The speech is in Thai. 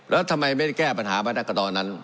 แล้วทำไมไม่ได้แก้ปัญหามาตั้งแต่ตอนนั้น